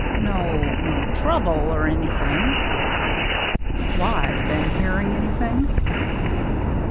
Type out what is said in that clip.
No — no trouble, or anything?" " Why ? Been hearing anything